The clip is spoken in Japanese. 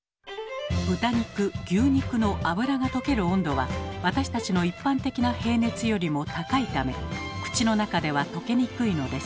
豚肉牛肉の脂が溶ける温度は私たちの一般的な平熱よりも高いため口の中では溶けにくいのです。